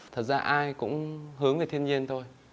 thật ra ai cũng hướng về thiên nhiên thôi